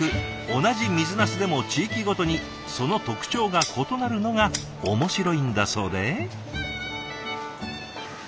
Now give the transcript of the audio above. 同じ水なすでも地域ごとにその特徴が異なるのが面白いんだそうで。